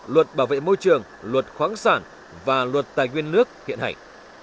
luật bảo vệ môi trường luật khoáng sản và luật tài nguyên nước hiện hành